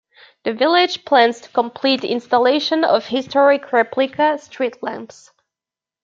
The village plans to complete installation of historic-replica streetlamps.